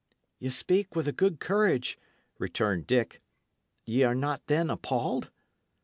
"Ye speak with a good courage," returned Dick. "Ye are not then appalled?"